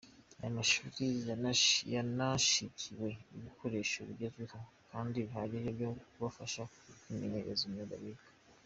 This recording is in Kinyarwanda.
Ayo mashuri yanashikiwe ibikoresho bigezweho kandi bihagije byo kubafasha kwimenyereza imyuga biga.